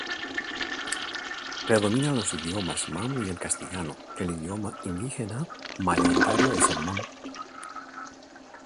Predominan los idiomas, Mam y el castellano, el idioma indígena mayoritario es el Mam.